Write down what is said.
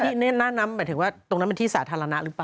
หน้านั้นหมายถึงว่าตรงนั้นเป็นที่สาธารณะหรือเปล่า